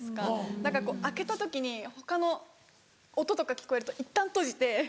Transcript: だから開けた時に他の音とか聞こえるといったん閉じて。